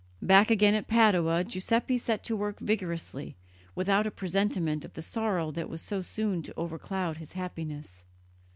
Back again at Padua, Giuseppe set to work vigorously, without a presentiment of the sorrow that was so soon to overcloud his happiness.